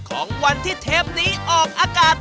ของวันที่เทปนี้ออกอากาศ